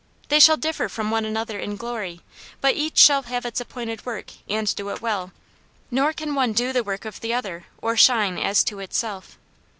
They shall difter from one another in glory, but each shall have its appointed work and do it well, nor can one do the work of the other or shine as to itself.